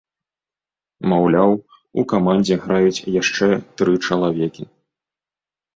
Маўляў, у камандзе граюць яшчэ тры чалавекі.